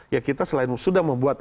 ya kita selain sudah membuat